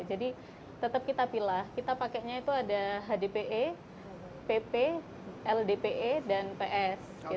jadi tetap kita pilah kita pakainya itu ada hdpe pp ldpe dan ps gitu